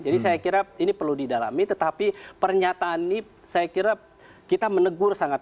jadi saya kira ini perlu didalami tetapi pernyataan ini saya kira kita menegur sangat